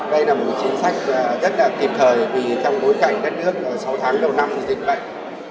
đây là một chính sách rất là kịp thời vì trong bối cảnh đất nước sáu tháng đầu năm dịch bệnh